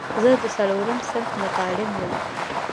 زه د څلورم صنف متعلم وم.